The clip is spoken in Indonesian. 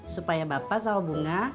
supaya bapak sama bunga